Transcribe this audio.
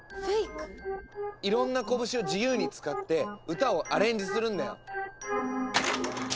いろんなこぶしを自由に使って歌をアレンジするんだよ。